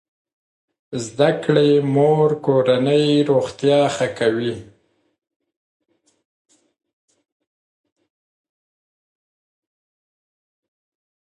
زده کړې مور کورنۍ روغتیا ښه کوي.